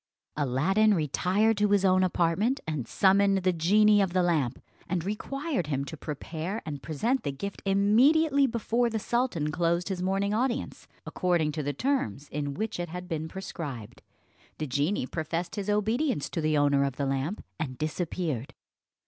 Aladdin retired to his own apartment and summoned the genie of the lamp, and required him to prepare and present the gift immediately, before the sultan closed his morning audience, according to the terms in which it had been prescribed. The genie professed his obedience to the owner of the lamp, and disappeared.